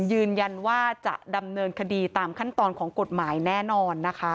ยืนยันว่าจะดำเนินคดีตามขั้นตอนของกฎหมายแน่นอนนะคะ